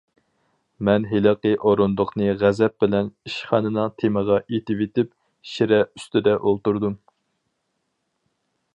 مەن ھېلىقى ئورۇندۇقنى غەزەپ بىلەن ئىشخانىنىڭ تېمىغا ئېتىۋېتىپ، شىرە ئۈستىدە ئولتۇردۇم.